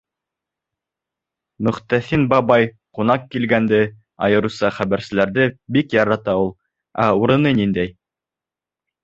Мөхтәҫин бабай ҡунаҡ килгәнде, айырыуса хәбәрселәрҙе, бик ярата ул. Ә урыны ниндәй!